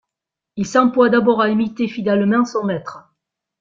Il s'emploie d'abord à imiter fidèlement son maître.